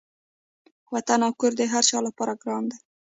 وطن او کور د هر چا لپاره ګران دی.